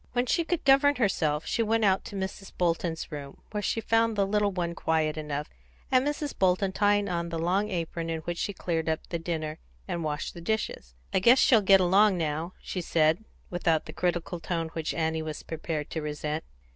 When she could govern herself, she went out to Mrs. Bolton's room, where she found the little one quiet enough, and Mrs. Bolton tying on the long apron in which she cleared up the dinner and washed the dishes. "I guess she'll get along now," she said, without the critical tone which Annie was prepared to resent.